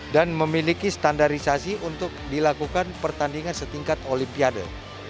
dan memiliki standarisasi untuk dilakukan pertandingan setingkat olimpiade